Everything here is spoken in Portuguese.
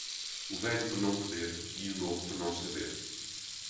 o velho por não poder e o novo por não saber